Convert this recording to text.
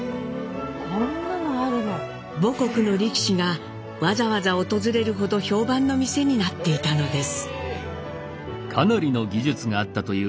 母国の力士がわざわざ訪れるほど評判の店になっていたのです。